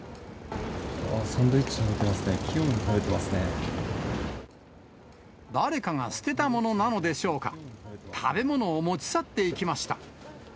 サンドイッチ食べてますね、誰かが捨てたものなのでしょうか、食べ物を持ち去っていきました。